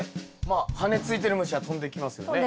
まあ羽ついてる虫は飛んできますよね？